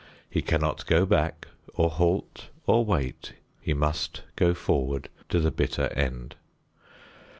He cannot go back or halt or wait. He must go forward to the bitter end.